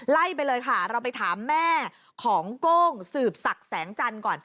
ไล่ไปเลยค่ะเราไปถามแม่ของโก้งสืบศักดิ์แสงจันทร์ก่อน